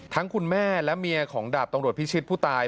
คุณแม่และเมียของดาบตำรวจพิชิตผู้ตาย